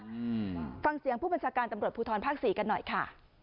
อืมฟังเสียงผู้บัญชาการตำรวจภูทรภาคสี่กันหน่อยค่ะ